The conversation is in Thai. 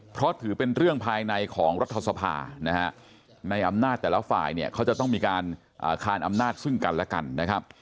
เพราะถือเป็นเรื่องภายในของรัฐสภานะฮะในอำนาจแต่ละฝ่ายเนี่ยเขาจะต้องมีการคานอำนาจซึ่งกันและกันนะครับ